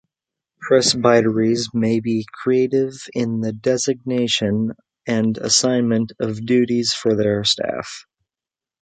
Presbyteries may be creative in the designation and assignment of duties for their staff.